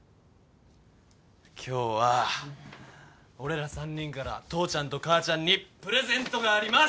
今日は俺ら３人から父ちゃんと母ちゃんにプレゼントがあります！